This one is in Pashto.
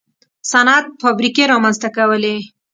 صنعت فابریکې رامنځته کولې.